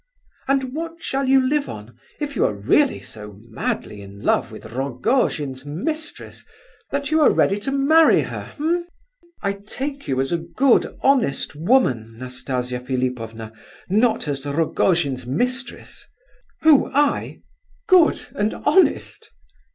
And what shall you live on, if you are really so madly in love with Rogojin's mistress, that you are ready to marry her—eh?" "I take you as a good, honest woman, Nastasia Philipovna—not as Rogojin's mistress." "Who? I?—good and honest?"